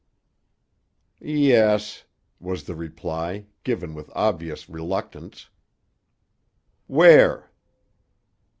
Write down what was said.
"Yes," was the reply, given with obvious reluctance. "Where?"